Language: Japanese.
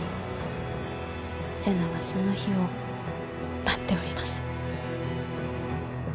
瀬名はその日を待っております。